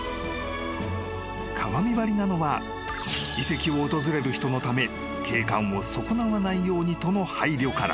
［鏡張りなのは遺跡を訪れる人のため景観を損なわないようにとの配慮から］